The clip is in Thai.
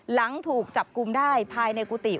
หลังถูกจับกลุ่มได้ภายในกุฏิ